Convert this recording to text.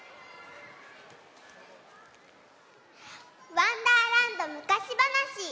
わんだーらんどむかしばなし。